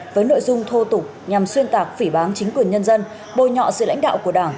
với nội dung thô tục nhằm xuyên tạc phỉ bán chính quyền nhân dân bồi nhọ sự lãnh đạo của đảng